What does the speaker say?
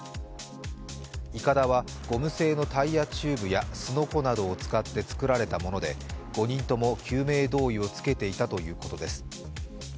いかだはゴム製のタイヤチューブやすのこなどを使って作られたもので５人とも救命胴衣を着けていたということです。